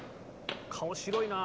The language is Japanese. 顔白いなあ。